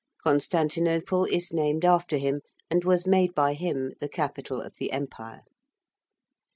Constantinople is named after him, and was made by him the capital of the Empire.